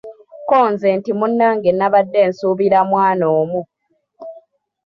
Kko nze nti munnange nabadde nsuubira mwana omu.